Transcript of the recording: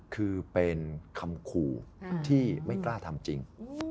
คือเป็นคำขู่ที่ไม่กล้าทำจริง